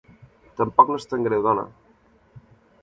Tampoc no és tan greu, dona!